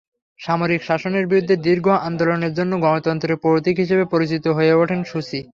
সামরিক শাসনের বিরুদ্ধে দীর্ঘ আন্দোলনের জন্য গণতন্ত্রের প্রতীক হিসেবে পরিচিত হয়ে ওঠেন সুচি।